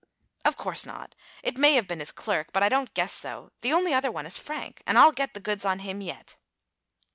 "Of course not. It may have been his clerk, but I don't guess so. The only other one is Frank, and I'll get the goods on him yet!"